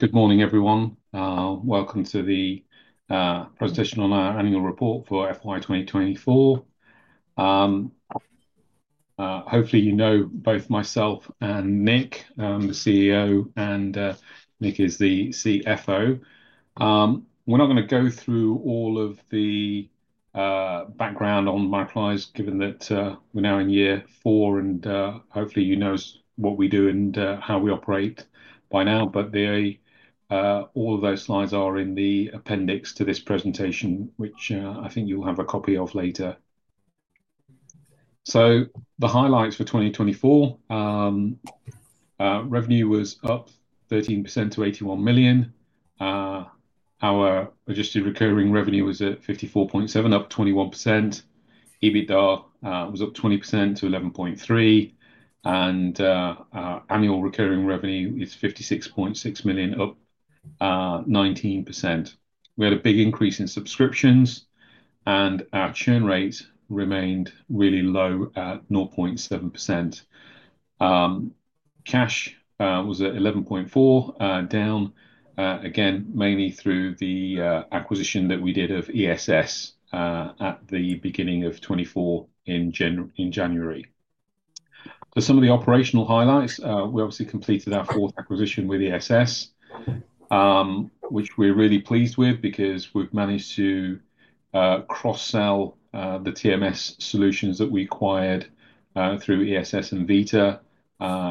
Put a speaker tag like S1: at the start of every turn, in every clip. S1: Good morning, everyone. Welcome to the presentation on our annual report for FY2024. Hopefully, you know both myself and Nick, the CEO, and Nick is the CFO. We're not going to go through all of the background on Microlise, given that we're now in year four, and hopefully you know what we do and how we operate by now. All of those slides are in the appendix to this presentation, which I think you'll have a copy of later. The highlights for 2024: revenue was up 13% to 81 million. Our adjusted recurring revenue was at 54.7%, up 21%. EBITDA was up 20% to 11.3 million. Annual recurring revenue is 56.6 million, up 19%. We had a big increase in subscriptions, and our churn rates remained really low at 0.7%. Cash was at 11.4%, down again, mainly through the acquisition that we did of ESS at the beginning of 2024 in January. Some of the operational highlights: we obviously completed our fourth acquisition with ESS, which we are really pleased with because we have managed to cross-sell the TMS solutions that we acquired through ESS and Vita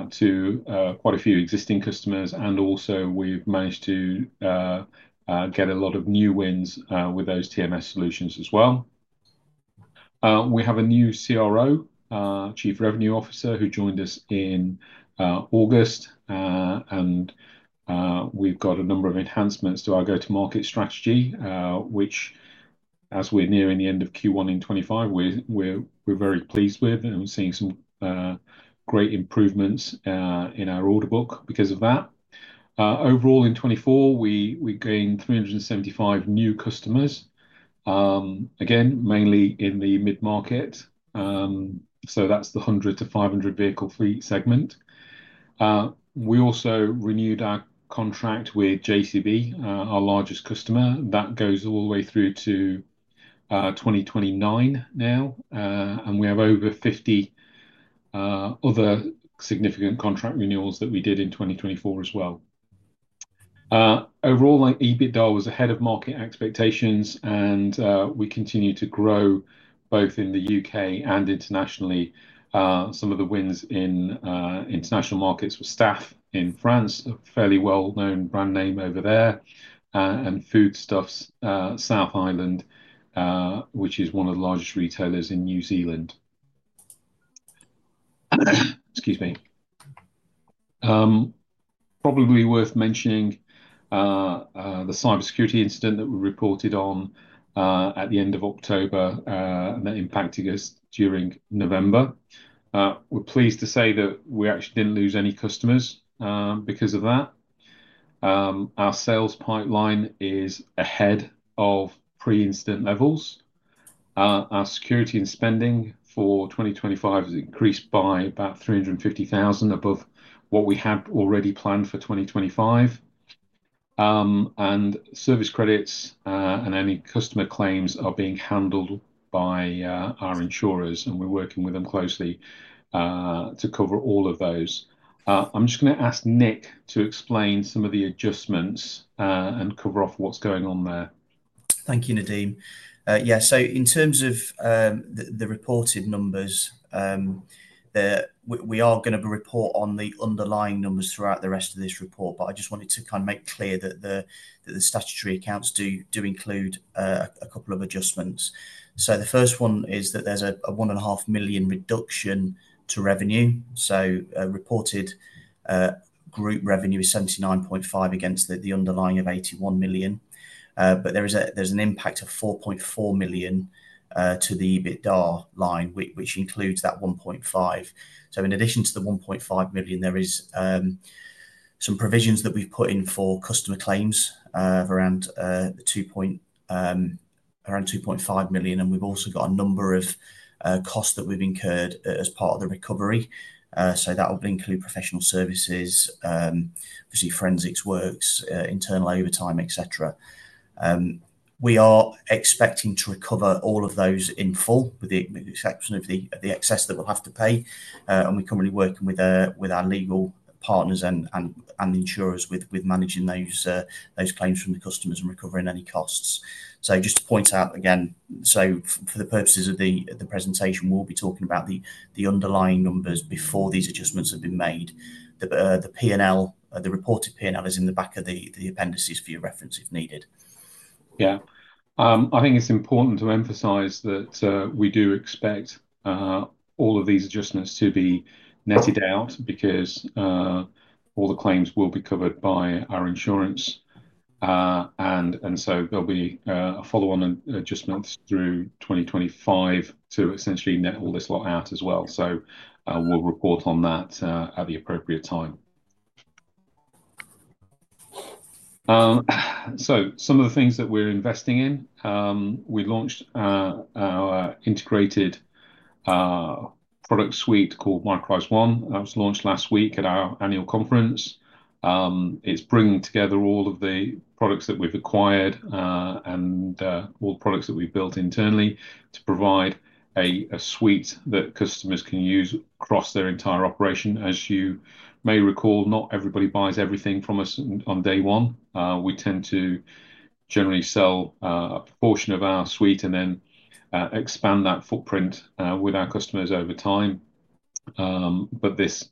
S1: to quite a few existing customers. We have also managed to get a lot of new wins with those TMS solutions as well. We have a new Chief Revenue Officer who joined us in August. We have a number of enhancements to our go-to-market strategy, which, as we are nearing the end of Q1 in 2025, we are very pleased with. We are seeing some great improvements in our order book because of that. Overall, in 2024, we gained 375 new customers, again, mainly in the mid-market. That's the 100 to 500-vehicle fleet segment. We also renewed our contract with JCB, our largest customer. That goes all the way through to 2029 now. We have over 50 other significant contract renewals that we did in 2024 as well. Overall, EBITDA was ahead of market expectations, and we continue to grow both in the U.K. and internationally. Some of the wins in international markets were STEF in France, a fairly well-known brand name over there, and Foodstuffs South Island, which is one of the largest retailers in New Zealand. Excuse me. Probably worth mentioning the cybersecurity incident that we reported on at the end of October and that impacted us during November. We're pleased to say that we actually didn't lose any customers because of that. Our sales pipeline is ahead of pre-incident levels. Our security and spending for 2025 has increased by about 350,000 above what we had already planned for 2025. Service credits and any customer claims are being handled by our insurers, and we're working with them closely to cover all of those. I'm just going to ask Nick to explain some of the adjustments and cover off what's going on there.
S2: Thank you, Nadeem. Yeah, so in terms of the reported numbers, we are going to report on the underlying numbers throughout the rest of this report, but I just wanted to kind of make clear that the statutory accounts do include a couple of adjustments. The first one is that there's a 1.5 million reduction to revenue. Reported group revenue is 79.5 million against the underlying of 81 million. There is an impact of 4.4 million to the EBITDA line, which includes that 1.5 million. In addition to the 1.5 million, there are some provisions that we've put in for customer claims of around 2.5 million. We've also got a number of costs that we've incurred as part of the recovery. That will include professional services, obviously forensics works, internal overtime, etc. We are expecting to recover all of those in full, with the exception of the excess that we'll have to pay. We are currently working with our legal partners and insurers with managing those claims from the customers and recovering any costs. Just to point out again, for the purposes of the presentation, we will be talking about the underlying numbers before these adjustments have been made. The reported P&L is in the back of the appendices for your reference if needed.
S1: Yeah. I think it's important to emphasize that we do expect all of these adjustments to be netted out because all the claims will be covered by our insurance. There will be a follow-on adjustment through 2025 to essentially net all this lot out as well. We will report on that at the appropriate time. Some of the things that we're investing in, we launched our integrated product suite called Microlise One. That was launched last week at our annual conference. It's bringing together all of the products that we've acquired and all the products that we've built internally to provide a suite that customers can use across their entire operation. As you may recall, not everybody buys everything from us on day one. We tend to generally sell a portion of our suite and then expand that footprint with our customers over time. This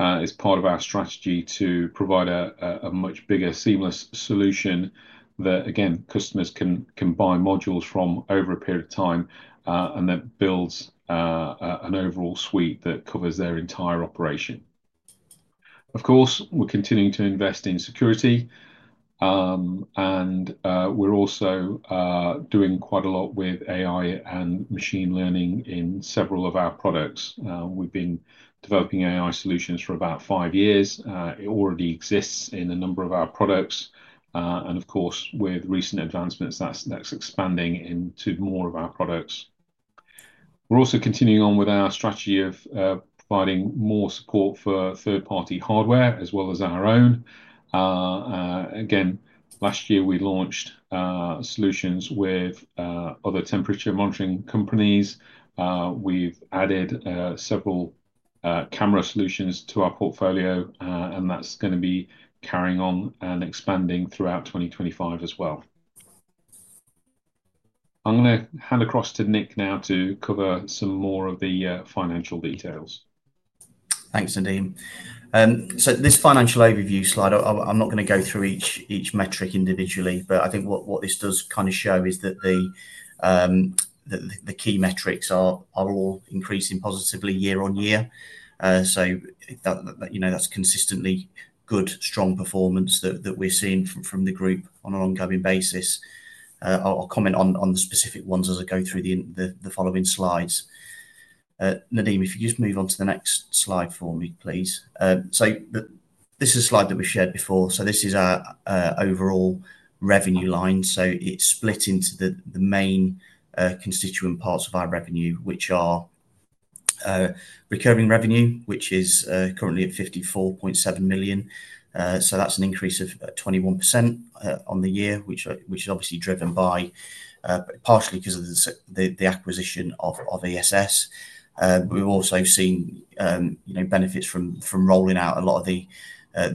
S1: is part of our strategy to provide a much bigger, seamless solution that, again, customers can buy modules from over a period of time, and that builds an overall suite that covers their entire operation. Of course, we're continuing to invest in security. We're also doing quite a lot with AI and machine learning in several of our products. We've been developing AI solutions for about five years. It already exists in a number of our products. Of course, with recent advancements, that's expanding into more of our products. We're also continuing on with our strategy of providing more support for third-party hardware as well as our own. Last year, we launched solutions with other temperature monitoring companies. We've added several camera solutions to our portfolio, and that's going to be carrying on and expanding throughout 2025 as well. I'm going to hand across to Nick now to cover some more of the financial details.
S2: Thanks, Nadeem. This financial overview slide, I'm not going to go through each metric individually, but I think what this does kind of show is that the key metrics are all increasing positively year on year. That is consistently good, strong performance that we're seeing from the group on an ongoing basis. I'll comment on the specific ones as I go through the following slides. Nadeem, if you just move on to the next slide for me, please. This is a slide that we shared before. This is our overall revenue line. It is split into the main constituent parts of our revenue, which are recurring revenue, which is currently at 54.7 million. That is an increase of 21% on the year, which is obviously driven by partially because of the acquisition of ESS. We've also seen benefits from rolling out a lot of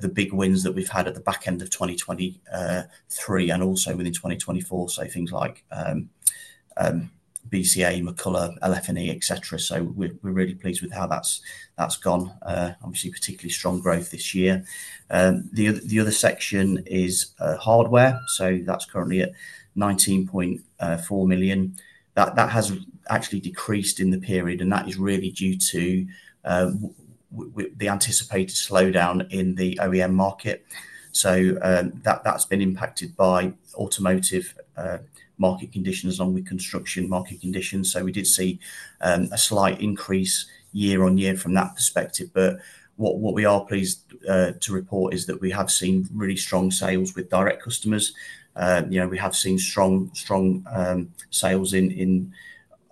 S2: the big wins that we've had at the back end of 2023 and also within 2024. Things like BCA, McCulla, LF&E, etc. We're really pleased with how that's gone. Obviously, particularly strong growth this year. The other section is hardware. That's currently at 19.4 million. That has actually decreased in the period, and that is really due to the anticipated slowdown in the OEM market. That's been impacted by automotive market conditions along with construction market conditions. We did see a slight increase year on year from that perspective. What we are pleased to report is that we have seen really strong sales with direct customers. We have seen strong sales in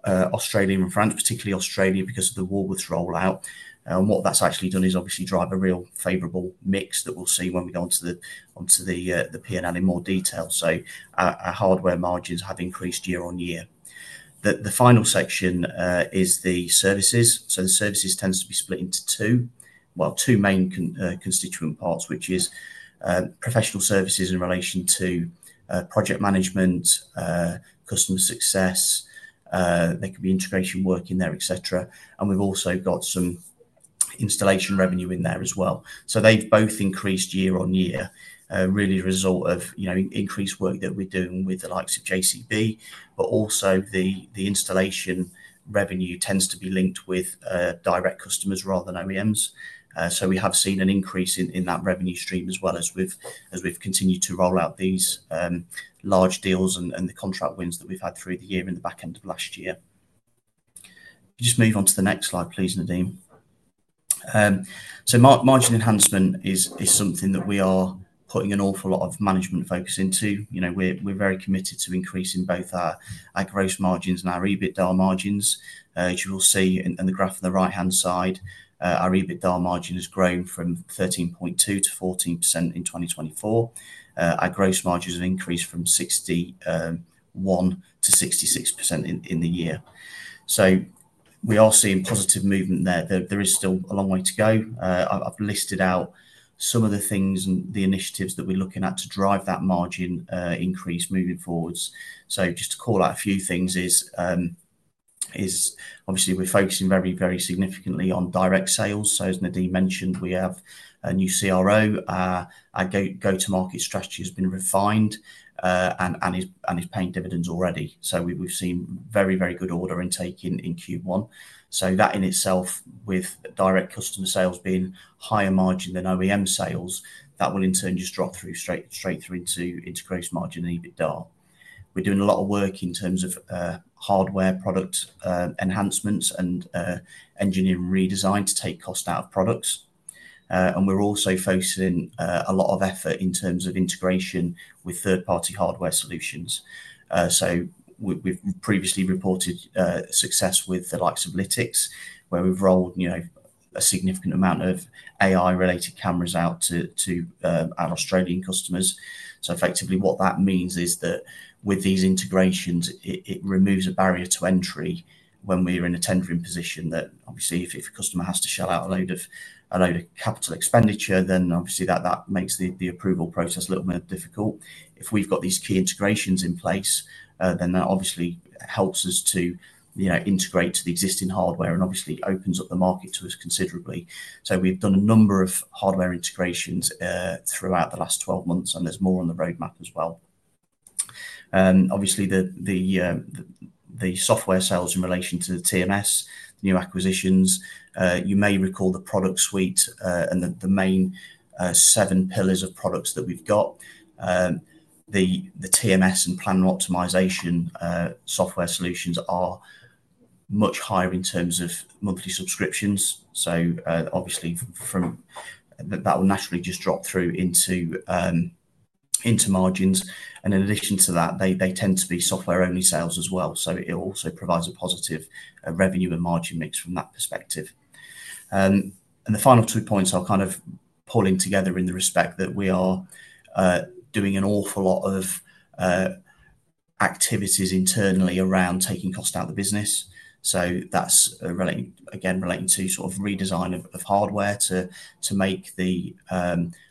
S2: Australia and France, particularly Australia because of the Woolworths rollout. What that's actually done is obviously drive a real favorable mix that we'll see when we go on to the P&L in more detail. Our hardware margins have increased year on year. The final section is the services. The services tend to be split into two, two main constituent parts, which is professional services in relation to project management, customer success. There could be integration work in there, etc. We've also got some installation revenue in there as well. They have both increased year on year, really a result of increased work that we're doing with the likes of JCB, but also the installation revenue tends to be linked with direct customers rather than OEMs. We have seen an increase in that revenue stream as well as we've continued to roll out these large deals and the contract wins that we've had through the year in the back end of last year. Just move on to the next slide, please, Nadeem. Margin enhancement is something that we are putting an awful lot of management focus into. We're very committed to increasing both our gross margins and our EBITDA margins. As you will see in the graph on the right-hand side, our EBITDA margin has grown from 13.2%-14% in 2024. Our gross margins have increased from 61%-66% in the year. We are seeing positive movement there. There is still a long way to go. I've listed out some of the things and the initiatives that we're looking at to drive that margin increase moving forwards. Just to call out a few things is, obviously, we're focusing very, very significantly on direct sales. As Nadeem mentioned, we have a new CRO. Our go-to-market strategy has been refined and is paying dividends already. We've seen very, very good order intake in Q1. That in itself, with direct customer sales being higher margin than OEM sales, will in turn just drop straight through into gross margin and EBITDA. We're doing a lot of work in terms of hardware product enhancements and engineering redesign to take cost out of products. We're also focusing a lot of effort in terms of integration with third-party hardware solutions. We've previously reported success with the likes of Lytx, where we've rolled a significant amount of AI-related cameras out to our Australian customers. Effectively, what that means is that with these integrations, it removes a barrier to entry when we're in a tendering position that, obviously, if a customer has to shell out a load of CapEx, then obviously that makes the approval process a little more difficult. If we've got these key integrations in place, then that obviously helps us to integrate to the existing hardware and obviously opens up the market to us considerably. We have done a number of hardware integrations throughout the last 12 months, and there's more on the roadmap as well. Obviously, the software sales in relation to the TMS, new acquisitions. You may recall the product suite and the main seven pillars of products that we've got. The TMS and plan optimization software solutions are much higher in terms of monthly subscriptions. Obviously, that will naturally just drop through into margins. In addition to that, they tend to be software-only sales as well. It also provides a positive revenue and margin mix from that perspective. The final two points are kind of pulling together in the respect that we are doing an awful lot of activities internally around taking cost out of the business. That is, again, relating to sort of redesign of hardware to make the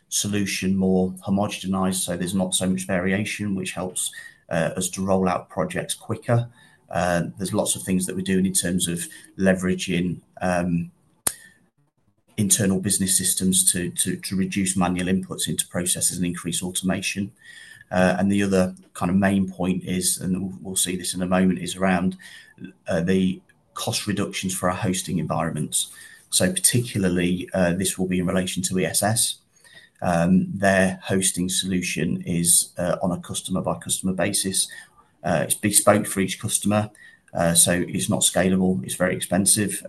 S2: solution more homogenized. There is not so much variation, which helps us to roll out projects quicker. There are lots of things that we are doing in terms of leveraging internal business systems to reduce manual inputs into processes and increase automation. The other kind of main point is, and we will see this in a moment, is around the cost reductions for our hosting environments. Particularly, this will be in relation to ESS. Their hosting solution is on a customer-by-customer basis. It's bespoke for each customer. So it's not scalable. It's very expensive.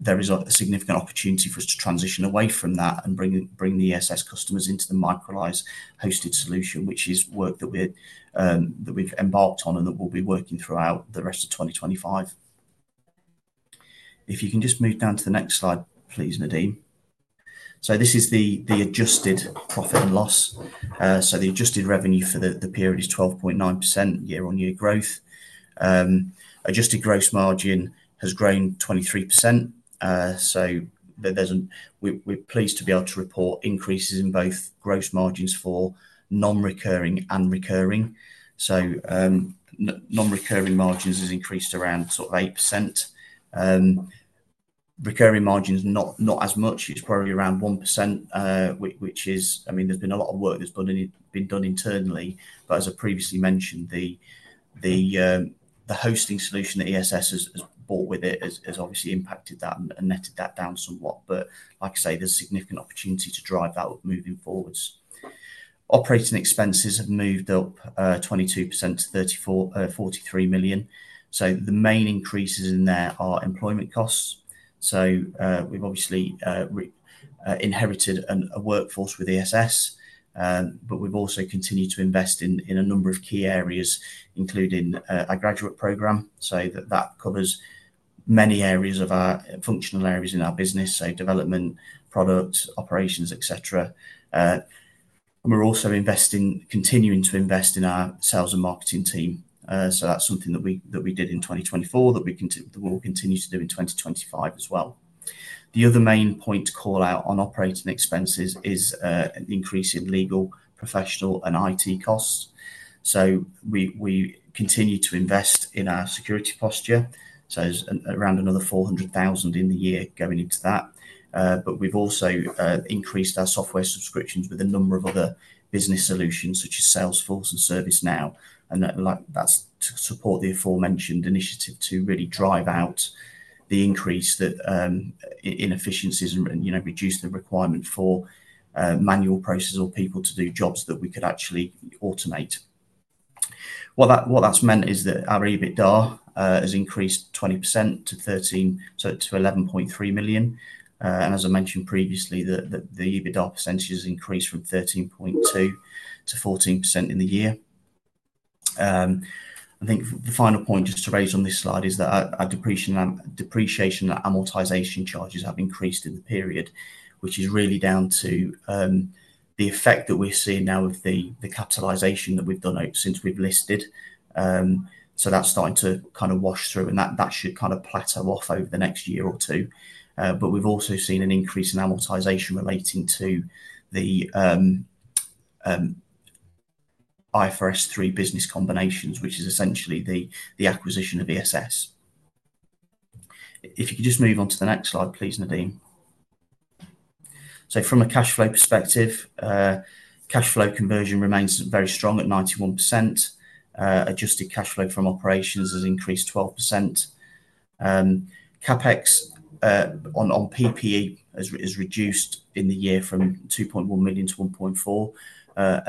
S2: There is a significant opportunity for us to transition away from that and bring the ESS customers into the Microlise hosted solution, which is work that we've embarked on and that we'll be working throughout the rest of 2025. If you can just move down to the next slide, please, Nadeem. This is the adjusted profit and loss. The adjusted revenue for the period is 12.9% year-on-year growth. Adjusted gross margin has grown 23%. We're pleased to be able to report increases in both gross margins for non-recurring and recurring. Non-recurring margins has increased around sort of 8%. Recurring margins, not as much. It's probably around 1%, which is, I mean, there's been a lot of work that's been done internally. As I previously mentioned, the hosting solution that ESS has brought with it has obviously impacted that and netted that down somewhat. Like I say, there is significant opportunity to drive that moving forwards. Operating expenses have moved up 22% to 43 million. The main increases in there are employment costs. We have obviously inherited a workforce with ESS, but we have also continued to invest in a number of key areas, including our graduate program. That covers many areas of our functional areas in our business, like development, product, operations, etc. We are also continuing to invest in our sales and marketing team. That is something that we did in 2024 that we will continue to do in 2025 as well. The other main point to call out on operating expenses is an increase in legal, professional, and IT costs. We continue to invest in our security posture, with around another 400,000 in the year going into that. We have also increased our software subscriptions with a number of other business solutions such as Salesforce and ServiceNow. That is to support the aforementioned initiative to really drive out the increase in efficiencies and reduce the requirement for manual processes or people to do jobs that we could actually automate. What that has meant is that our EBITDA has increased 20% to 11.3 million. As I mentioned previously, the EBITDA percentage has increased from 13.2% to 14% in the year. I think the final point just to raise on this slide is that our depreciation and amortization charges have increased in the period, which is really down to the effect that we are seeing now of the capitalisation that we have done since we have listed. That's starting to kind of wash through, and that should kind of plateau off over the next year or two. We've also seen an increase in amortization relating to the IFRS 3 business combinations, which is essentially the acquisition of ESS. If you could just move on to the next slide, please, Nadeem. From a cash flow perspective, cash flow conversion remains very strong at 91%. Adjusted cash flow from operations has increased 12%. CapEx on PPE has reduced in the year from 2.1 million to 1.4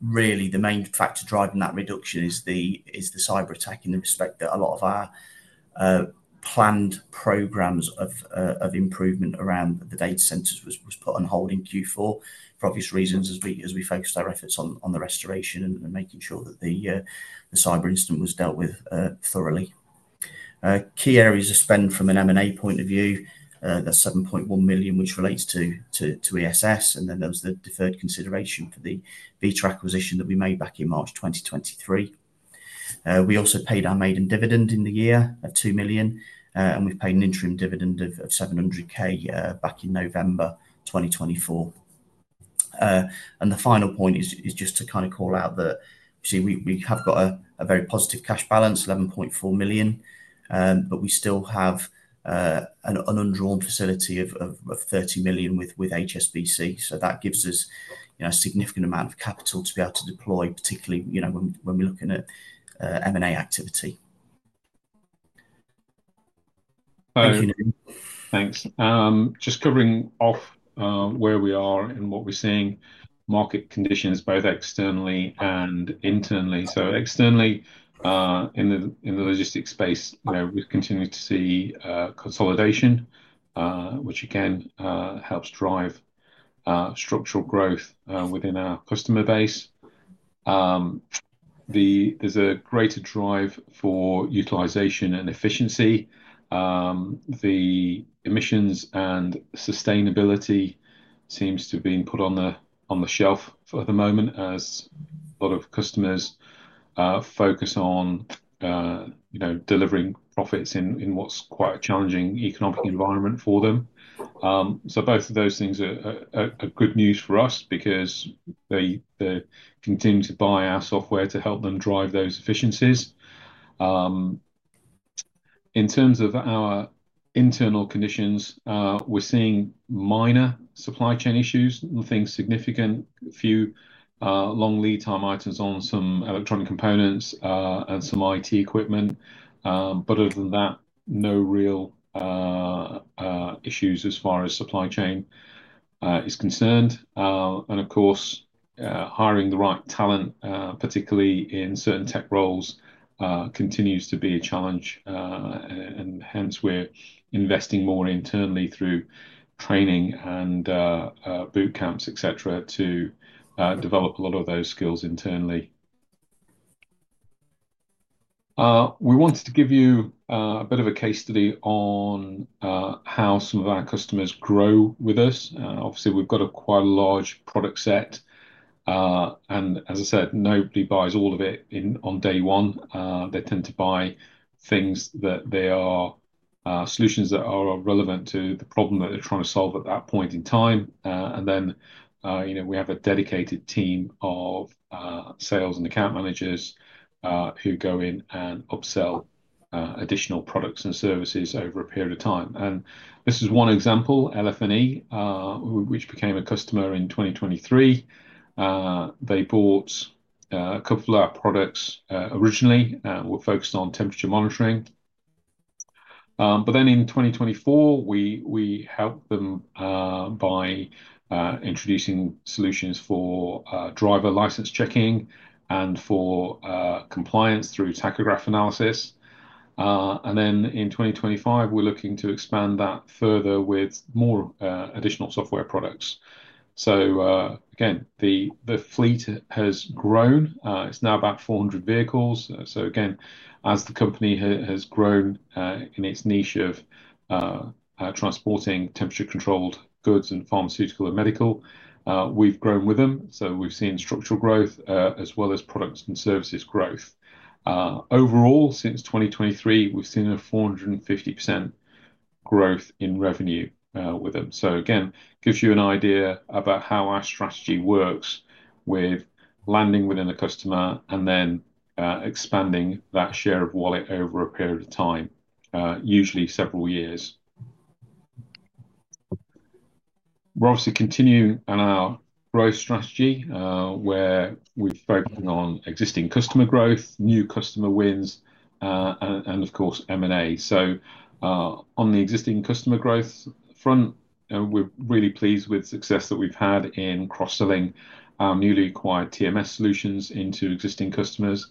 S2: million. The main factor driving that reduction is the cyber attack in the respect that a lot of our planned programs of improvement around the data centres was put on hold in Q4 for obvious reasons as we focused our efforts on the restoration and making sure that the cyber incident was dealt with thoroughly. Key areas of spend from an M&A point of view, there's 7.1 million, which relates to ESS. There is the deferred consideration for the Vita acquisition that we made back in March 2023. We also paid our maiden dividend in the year of 2 million, and we've paid an interim dividend of 700,000 back in November 2024. The final point is just to kind of call out that we have got a very positive cash balance, 11.4 million, but we still have an undrawn facility of 30 million with HSBC. That gives us a significant amount of capital to be able to deploy, particularly when we're looking at M&A activity. Thank you, Nadeem.
S1: Thanks. Just covering off where we are and what we're seeing, market conditions, both externally and internally. Externally, in the logistics space, we've continued to see consolidation, which again helps drive structural growth within our customer base. There's a greater drive for utilization and efficiency. The emissions and sustainability seems to be being put on the shelf at the moment as a lot of customers focus on delivering profits in what's quite a challenging economic environment for them. Both of those things are good news for us because they continue to buy our software to help them drive those efficiencies. In terms of our internal conditions, we're seeing minor supply chain issues, nothing significant, a few long lead time items on some electronic components and some IT equipment. Other than that, no real issues as far as supply chain is concerned. Of course, hiring the right talent, particularly in certain tech roles, continues to be a challenge. Hence, we're investing more internally through training and bootcamps, etc., to develop a lot of those skills internally. We wanted to give you a bit of a case study on how some of our customers grow with us. Obviously, we've got a quite large product set. As I said, nobody buys all of it on day one. They tend to buy things that are solutions that are relevant to the problem that they're trying to solve at that point in time. We have a dedicated team of sales and account managers who go in and upsell additional products and services over a period of time. This is one example, LF&E, which became a customer in 2023. They bought a couple of our products originally and were focused on temperature monitoring. In 2024, we helped them by introducing solutions for driver license checking and for compliance through tachograph analysis. In 2025, we're looking to expand that further with more additional software products. The fleet has grown. It's now about 400 vehicles. As the company has grown in its niche of transporting temperature-controlled goods and pharmaceutical and medical, we've grown with them. We've seen structural growth as well as products and services growth. Overall, since 2023, we've seen a 450% growth in revenue with them. It gives you an idea about how our strategy works with landing within a customer and then expanding that share of wallet over a period of time, usually several years. We're obviously continuing on our growth strategy where we're focusing on existing customer growth, new customer wins, and of course, M&A. On the existing customer growth front, we're really pleased with success that we've had in cross-selling our newly acquired TMS solutions into existing customers.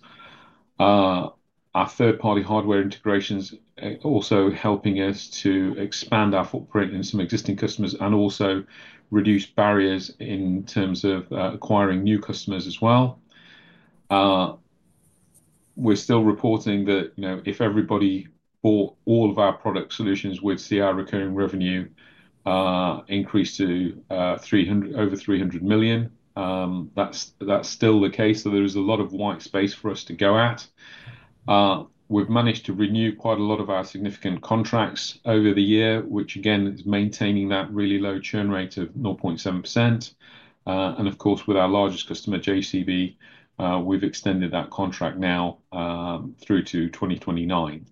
S1: Our third-party hardware integrations are also helping us to expand our footprint in some existing customers and also reduce barriers in terms of acquiring new customers as well. We're still reporting that if everybody bought all of our product solutions, we'd see our recurring revenue increase to over 300 million. That's still the case. There is a lot of white space for us to go at. We've managed to renew quite a lot of our significant contracts over the year, which again, is maintaining that really low churn rate of 0.7%. Of course, with our largest customer, JCB, we've extended that contract now through to 2029.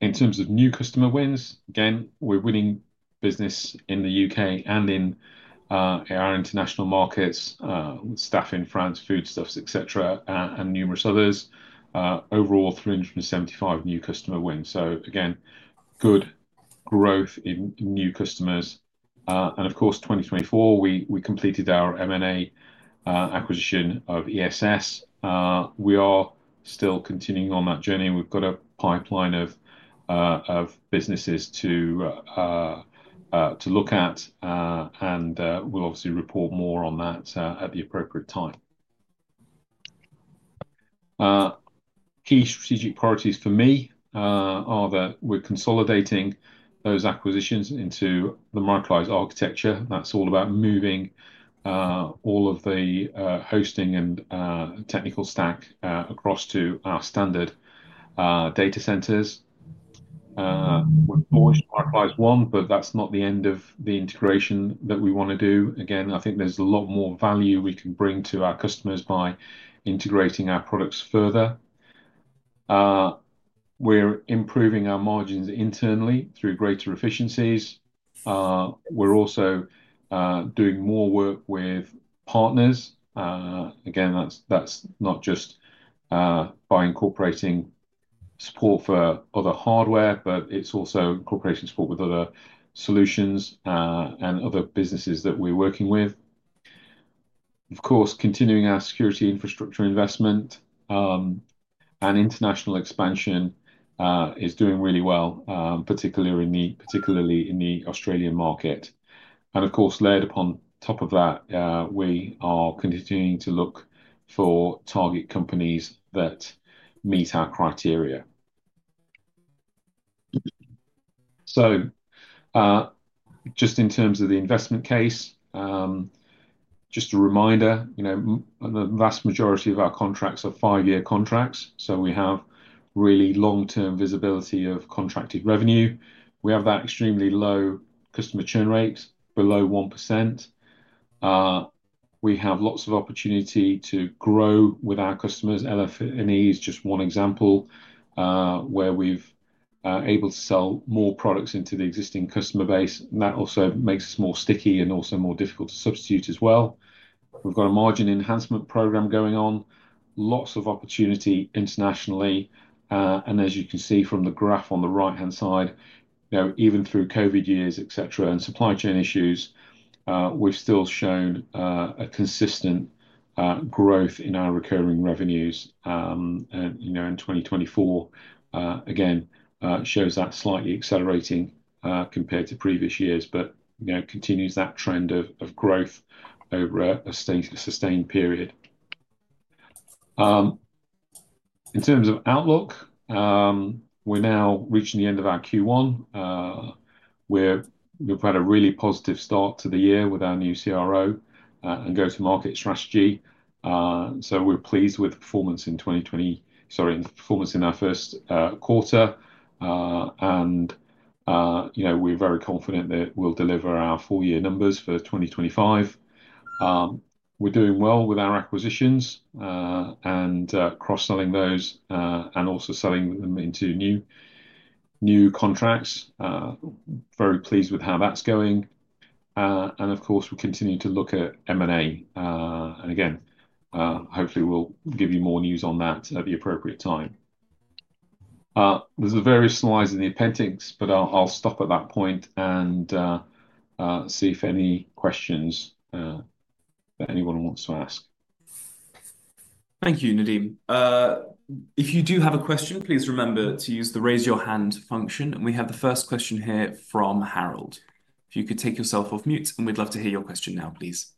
S1: In terms of new customer wins, again, we're winning business in the U.K. and in our international markets, STEF in France, Foodstuffs, etc., and numerous others. Overall, 375 new customer wins. Again, good growth in new customers. Of course, in 2024, we completed our M&A acquisition of ESS. We are still continuing on that journey. We've got a pipeline of businesses to look at, and we'll obviously report more on that at the appropriate time. Key strategic priorities for me are that we're consolidating those acquisitions into the Microlise architecture. That's all about moving all of the hosting and technical stack across to our standard data centers. We've launched Microlise One, but that's not the end of the integration that we want to do. Again, I think there's a lot more value we can bring to our customers by integrating our products further. We're improving our margins internally through greater efficiencies. We're also doing more work with partners. Again, that's not just by incorporating support for other hardware, but it's also incorporating support with other solutions and other businesses that we're working with. Of course, continuing our security infrastructure investment and international expansion is doing really well, particularly in the Australian market. Of course, layered upon top of that, we are continuing to look for target companies that meet our criteria. Just in terms of the investment case, just a reminder, the vast majority of our contracts are five-year contracts. We have really long-term visibility of contracted revenue. We have that extremely low customer churn rates, below 1%. We have lots of opportunity to grow with our customers. LF&E is just one example where we've been able to sell more products into the existing customer base. That also makes us more sticky and also more difficult to substitute as well. We've got a margin enhancement program going on, lots of opportunity internationally. As you can see from the graph on the right-hand side, even through COVID years, etc., and supply chain issues, we've still shown a consistent growth in our recurring revenues. The year 2024, again, shows that slightly accelerating compared to previous years, but continues that trend of growth over a sustained period. In terms of outlook, we're now reaching the end of our Q1. We've had a really positive start to the year with our new CRO and go-to-market strategy. We're pleased with performance in 2020, sorry, performance in our first quarter. We're very confident that we'll deliver our full-year numbers for 2025. We're doing well with our acquisitions and cross-selling those and also selling them into new contracts. Very pleased with how that's going. Of course, we continue to look at M&A. Hopefully, we'll give you more news on that at the appropriate time. There are various slides in the appendix, but I'll stop at that point and see if there are any questions that anyone wants to ask.
S3: Thank you, Nadeem. If you do have a question, please remember to use the raise your hand function. We have the first question here from Harold. If you could take yourself off mute, we'd love to hear your question now, please.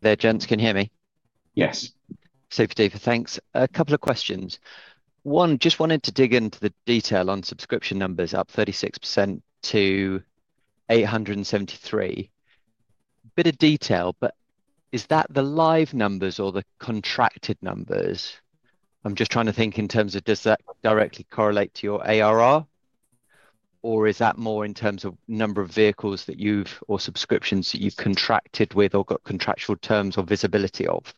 S4: There, gents. Can you hear me?
S3: Yes.
S4: Safe to do for thanks. A couple of questions. One, just wanted to dig into the detail on subscription numbers up 36% to 873. Bit of detail, but is that the live numbers or the contracted numbers? I'm just trying to think in terms of does that directly correlate to your ARR, or is that more in terms of number of vehicles that you've or subscriptions that you've contracted with or got contractual terms or visibility of?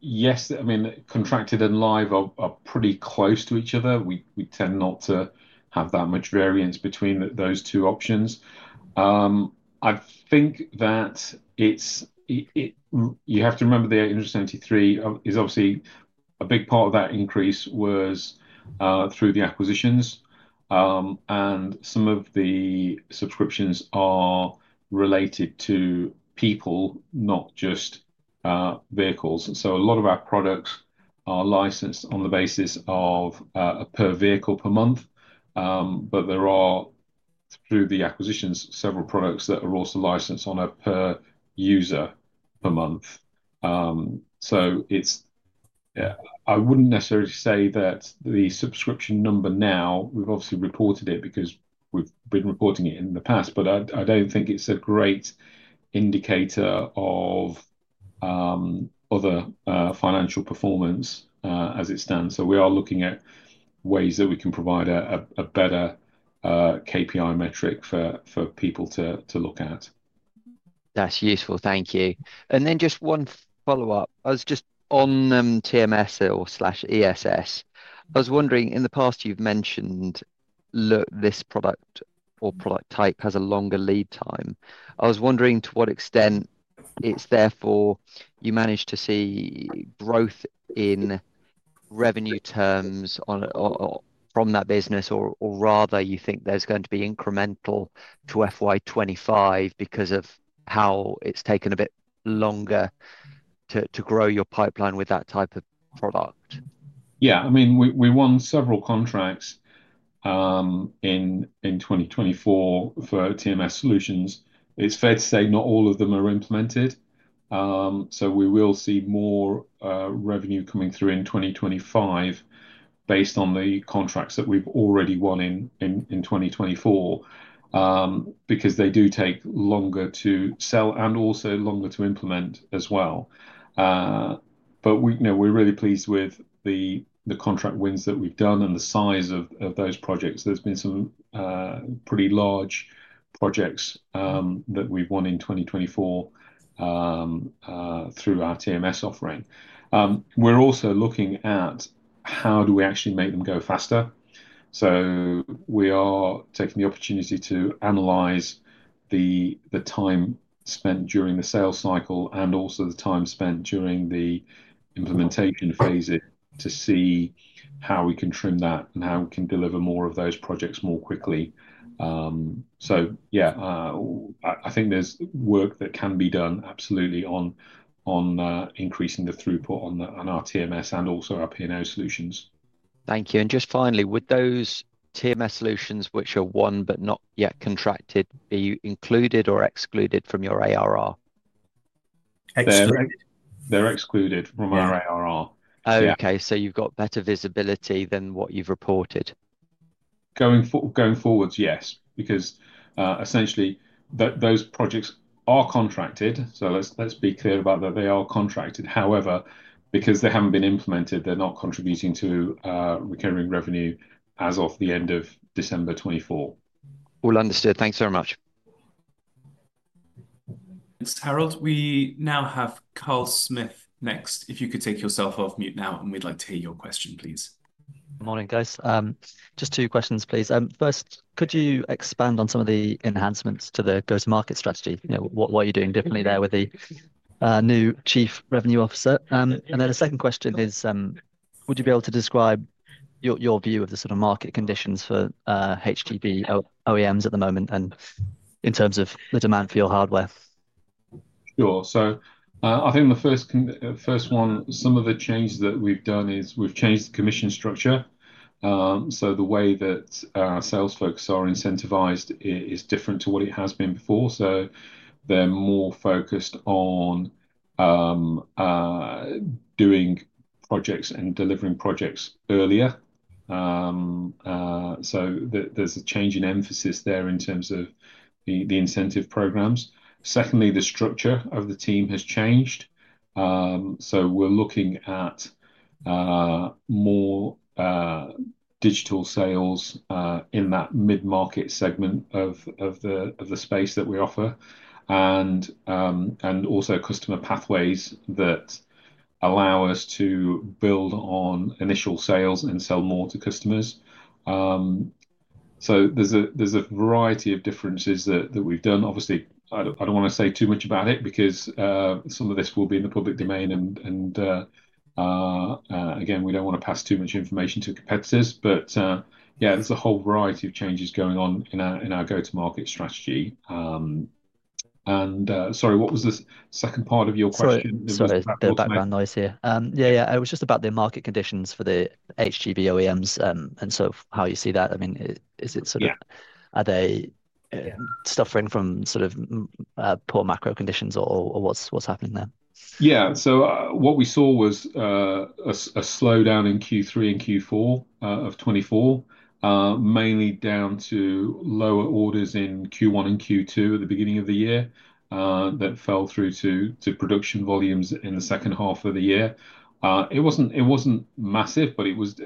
S1: Yes, I mean, contracted and live are pretty close to each other. We tend not to have that much variance between those two options. I think that you have to remember the 873 is obviously a big part of that increase was through the acquisitions. Some of the subscriptions are related to people, not just vehicles. A lot of our products are licensed on the basis of per vehicle per month. There are, through the acquisitions, several products that are also licensed on a per user per month. I wouldn't necessarily say that the subscription number now, we've obviously reported it because we've been reporting it in the past, but I don't think it's a great indicator of other financial performance as it stands. We are looking at ways that we can provide a better KPI metric for people to look at.
S4: That's useful. Thank you. Just one follow-up. I was just on TMS or slash ESS. I was wondering, in the past, you've mentioned this product or product type has a longer lead time. I was wondering to what extent it's therefore you managed to see growth in revenue terms from that business, or rather, you think there's going to be incremental to FY2025 because of how it's taken a bit longer to grow your pipeline with that type of product?
S1: Yeah. I mean, we won several contracts in 2024 for TMS solutions. It's fair to say not all of them are implemented. We will see more revenue coming through in 2025 based on the contracts that we've already won in 2024 because they do take longer to sell and also longer to implement as well. We're really pleased with the contract wins that we've done and the size of those projects. There's been some pretty large projects that we've won in 2024 through our TMS offering. We're also looking at how do we actually make them go faster. We are taking the opportunity to analyze the time spent during the sales cycle and also the time spent during the implementation phase to see how we can trim that and how we can deliver more of those projects more quickly. Yeah, I think there's work that can be done absolutely on increasing the throughput on our TMS and also our P&O solutions.
S4: Thank you. Just finally, with those TMS solutions which are won but not yet contracted, are you included or excluded from your ARR?
S1: They're excluded from our ARR.
S4: Okay. So you've got better visibility than what you've reported?
S1: Going forwards, yes, because essentially, those projects are contracted. Let's be clear about that, they are contracted. However, because they haven't been implemented, they're not contributing to recurring revenue as of the end of December 2024.
S4: All understood. Thanks very much.
S3: Thanks, Harold. We now have Carl Smith next. If you could take yourself off mute now, and we'd like to hear your question, please.
S5: Morning, guys. Just two questions, please. First, could you expand on some of the enhancements to the go-to-market strategy? What are you doing differently there with the new Chief Revenue Officer? The second question is, would you be able to describe your view of the sort of market conditions for HGV OEMs at the moment and in terms of the demand for your hardware?
S1: Sure. I think the first one, some of the changes that we've done is we've changed the commission structure. The way that our sales folks are incentivized is different to what it has been before. They're more focused on doing projects and delivering projects earlier. There's a change in emphasis there in terms of the incentive programs. Secondly, the structure of the team has changed. We're looking at more digital sales in that mid-market segment of the space that we offer and also customer pathways that allow us to build on initial sales and sell more to customers. There is a variety of differences that we've done. Obviously, I don't want to say too much about it because some of this will be in the public domain. Again, we don't want to pass too much information to competitors. Yeah, there is a whole variety of changes going on in our go-to-market strategy. Sorry, what was the second part of your question?
S5: Sorry, the background noise here. Yeah, yeah. It was just about the market conditions for the HGV OEMs and sort of how you see that. I mean, is it sort of are they suffering from sort of poor macro conditions or what's happening there?
S1: Yeah. What we saw was a slowdown in Q3 and Q4 of 2024, mainly down to lower orders in Q1 and Q2 at the beginning of the year that fell through to production volumes in the second half of the year. It was not massive, but it was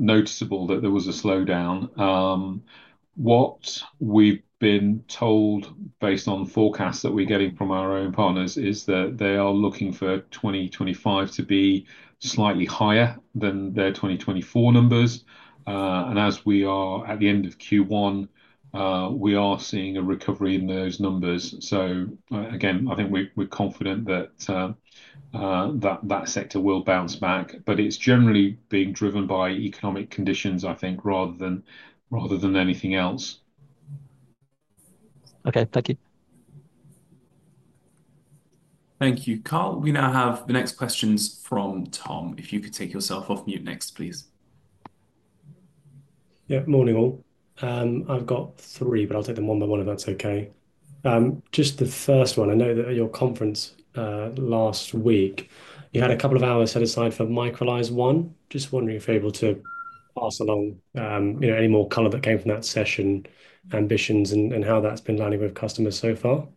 S1: noticeable that there was a slowdown. What we have been told based on forecasts that we are getting from our own partners is that they are looking for 2025 to be slightly higher than their 2024 numbers. As we are at the end of Q1, we are seeing a recovery in those numbers. I think we are confident that that sector will bounce back. It is generally being driven by economic conditions, I think, rather than anything else.
S5: Thank you.
S3: Thank you, Carl. We now have the next questions from Tom. If you could take yourself off mute next, please.
S6: Yeah. Morning, all. I've got three, but I'll take them one by one if that's okay. Just the first one. I know that at your conference last week, you had a couple of hours set aside for Microlise One. Just wondering if you're able to pass along any more color that came from that session, ambitions, and how that's been landing with customers so far.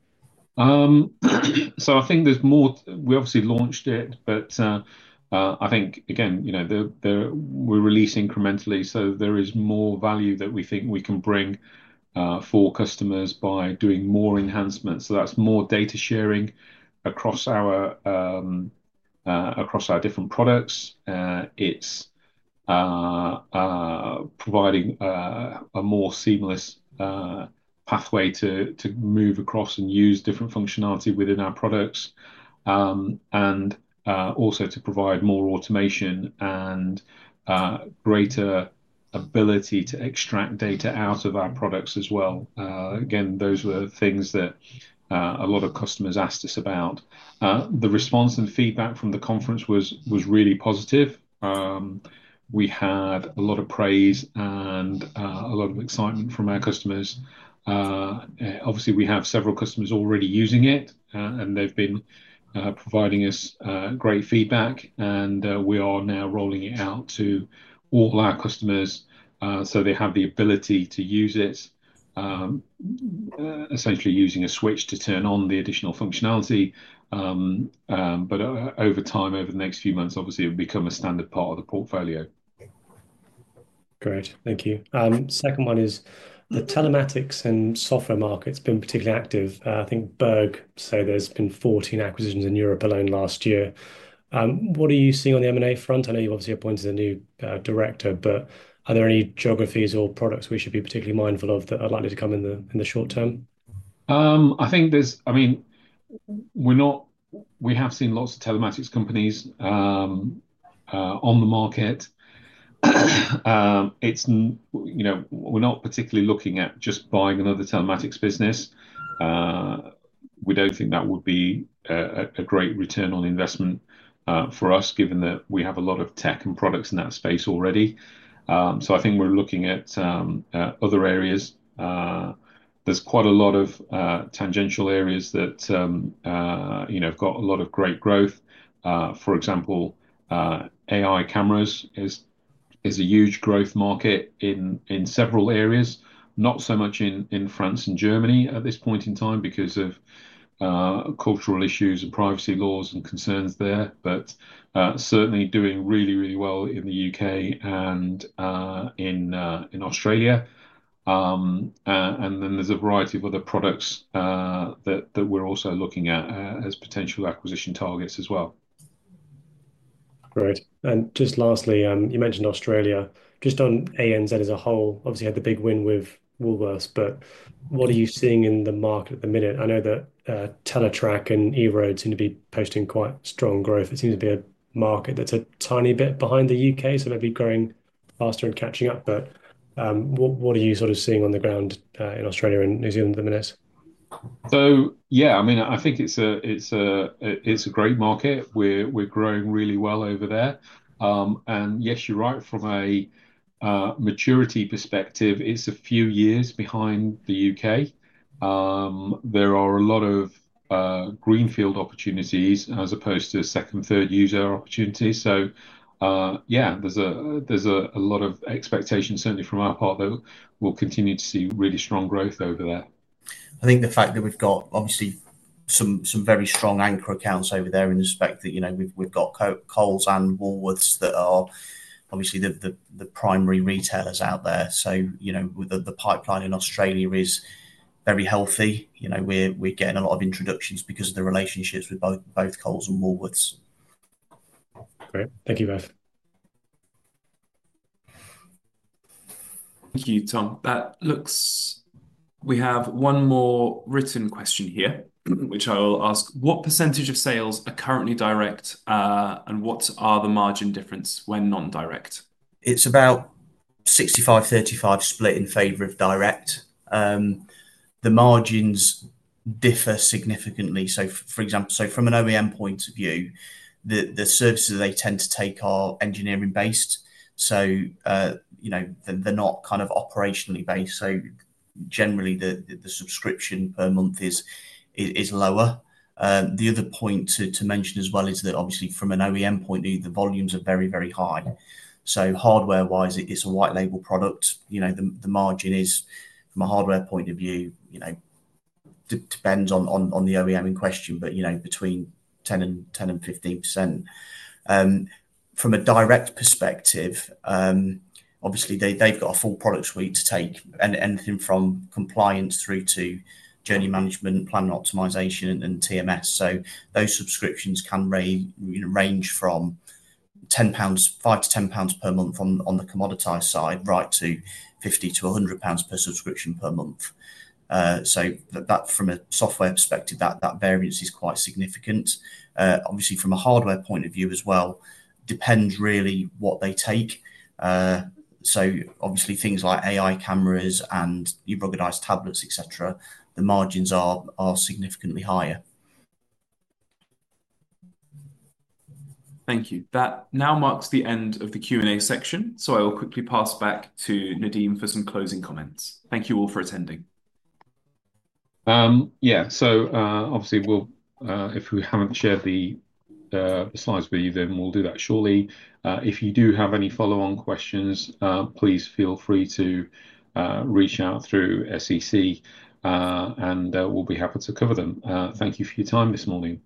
S1: I think there's more. We obviously launched it, but I think, again, we're releasing incrementally. There is more value that we think we can bring for customers by doing more enhancements. That's more data sharing across our different products. It's providing a more seamless pathway to move across and use different functionality within our products and also to provide more automation and greater ability to extract data out of our products as well. Again, those were things that a lot of customers asked us about. The response and feedback from the conference was really positive. We had a lot of praise and a lot of excitement from our customers. Obviously, we have several customers already using it, and they've been providing us great feedback. We are now rolling it out to all our customers so they have the ability to use it, essentially using a switch to turn on the additional functionality. Over time, over the next few months, it will become a standard part of the portfolio.
S6: Great. Thank you. Second one is the telematics and software market's been particularly active. I think Berg said there's been 14 acquisitions in Europe alone last year. What are you seeing on the M&A front? I know you've obviously appointed a new director, but are there any geographies or products we should be particularly mindful of that are likely to come in the short term?
S1: I think there's, I mean, we have seen lots of telematics companies on the market. We're not particularly looking at just buying another telematics business. We don't think that would be a great return on investment for us given that we have a lot of tech and products in that space already. I think we're looking at other areas. There's quite a lot of tangential areas that have got a lot of great growth. For example, AI cameras is a huge growth market in several areas, not so much in France and Germany at this point in time because of cultural issues and privacy laws and concerns there, but certainly doing really, really well in the U.K. and in Australia. There is a variety of other products that we're also looking at as potential acquisition targets as well.
S6: Great. Just lastly, you mentioned Australia. Just on ANZ as a whole, obviously, had the big win with Woolworths, but what are you seeing in the market at the minute? I know that Teletrac and EROAD seem to be posting quite strong growth. It seems to be a market that's a tiny bit behind the U.K., so maybe growing faster and catching up. What are you sort of seeing on the ground in Australia and New Zealand at the minute?
S1: Yeah, I mean, I think it's a great market. We're growing really well over there. Yes, you're right. From a maturity perspective, it's a few years behind the U.K. There are a lot of greenfield opportunities as opposed to second, third user opportunities. Yeah, there's a lot of expectation, certainly from our part, that we'll continue to see really strong growth over there.
S2: I think the fact that we've got obviously some very strong anchor accounts over there in the respect that we've got Coles and Woolworths that are obviously the primary retailers out there. The pipeline in Australia is very healthy. We're getting a lot of introductions because of the relationships with both Coles and Woolworths.
S6: Great. Thank you both.
S3: Thank you, Tom. We have one more written question here, which I will ask. What percentage of sales are currently direct, and what are the margin difference when non-direct?
S2: It's about 65 to 35 split in favor of direct. The margins differ significantly. For example, from an OEM point of view, the services they tend to take are engineering-based. They're not kind of operationally based. Generally, the subscription per month is lower. The other point to mention as well is that obviously, from an OEM point of view, the volumes are very, very high. Hardware-wise, it's a white label product. The margin is, from a hardware point of view, depends on the OEM in question, but between 10%-15%. From a direct perspective, they've got a full product suite to take anything from compliance through to journey management, plan optimization, and TMS. Those subscriptions can range from 5 to 10 pounds per month on the commoditized side right to 50 to 100 pounds per subscription per month. From a software perspective, that variance is quite significant. Obviously, from a hardware point of view as well, depends really what they take. Obviously, things like AI cameras and ruggedized tablets, etc., the margins are significantly higher.
S3: Thank you. That now marks the end of the Q&A section. I will quickly pass back to Nadeem for some closing comments. Thank you all for attending.
S1: Yeah. Obviously, if we have not shared the slides with you, then we will do that shortly. If you do have any follow-on questions, please feel free to reach out through SEC, and we will be happy to cover them. Thank you for your time this morning.